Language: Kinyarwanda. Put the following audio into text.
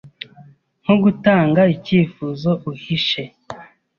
Nko gutanga icyifuzo uhishe